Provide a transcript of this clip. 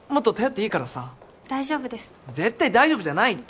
絶対大丈夫じゃないって！